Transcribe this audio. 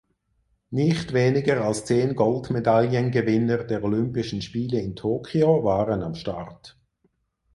Nicht weniger als zehn Goldmedaillengewinner der Olympischen Spiele in Tokio waren am Start.